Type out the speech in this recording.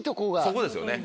そこですよね。